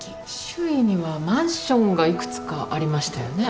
周囲にはマンションが幾つかありましたよね。